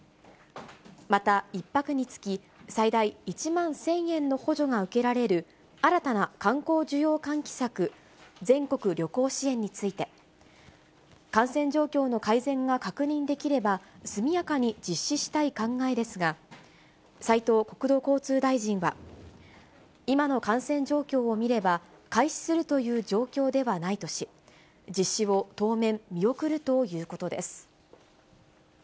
また１泊につき、最大１万１０００円の補助が受けられる新たな観光需要喚起策、全国旅行支援について、感染状況の改善が確認できれば、速やかに実施したい考えですが、斉藤国土交通大臣は、今の感染状況を見れば、開始するという状況ではないとし、実施を当面、見送るということです。